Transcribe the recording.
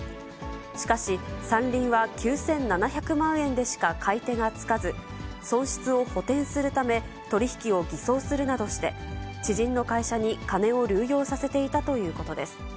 しかし、山林は９７００万円でしか買い手がつかず、損失を補填するため、取り引きを偽装するなどして、知人の会社に金を流用させていたということです。